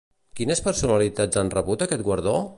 Quines personalitats han rebut aquest guardó?